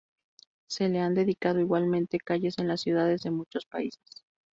Se le han dedicado igualmente calles en las ciudades de muchos países.